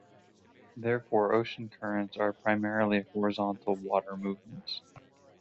Therefore ocean currents are primarily horizontal water movements.